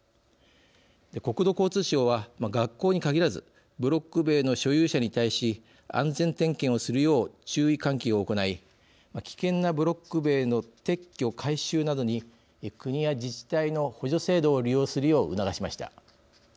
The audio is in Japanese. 国土交通省は学校に限らずブロック塀の所有者に対し安全点検をするよう注意喚起を行い危険なブロック塀の撤去・改修などに国や自治体の補助制度を利用するよう促しました。